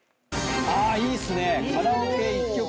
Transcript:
いいっすね。